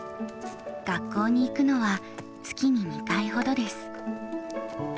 学校に行くのは月に２回ほどです。